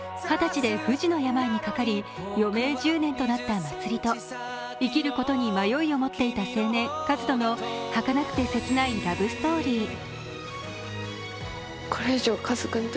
二十歳で不治の病にかかり余命１０年となった茉莉と生きることに迷いを持っていた青年・和人のはかなくて切ないラブストーリー。